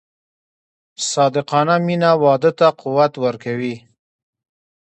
صادقانه مینه واده ته قوت ورکوي.